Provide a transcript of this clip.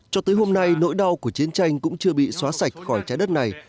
cho tới hôm nay nỗi đau của chiến tranh cũng chưa bị xóa sạch khỏi trái đất này